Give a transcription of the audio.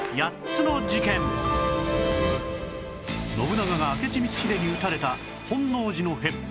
信長が明智光秀に討たれた本能寺の変